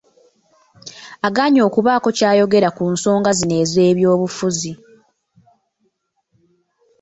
Agaanye okubaako ky'ayogera ku nsonga zino ez'ebyobufuzi.